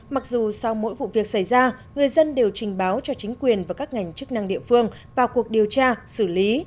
mặc dù sau mỗi vụ việc xảy ra người dân đều trình báo cho chính quyền và các ngành chức năng địa phương vào cuộc điều tra xử lý